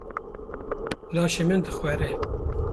Laşê min dixwere